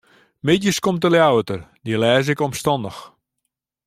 Middeis komt de Ljouwerter, dy lês ik omstannich.